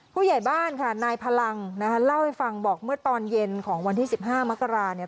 ผู้ใหญ่บ้านค่ะนายพลังนะคะเล่าให้ฟังบอกเมื่อตอนเย็นของวันที่๑๕มกราเนี่ย